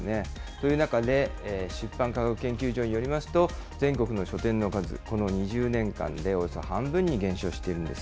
という中で、出版科学研究所によりますと、全国の書店の数、この２０年間でおよそ半分に減少しているんです。